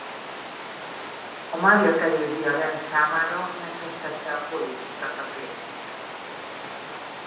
A Mária Terézia-rend számára megfestette a kolíni csata képét.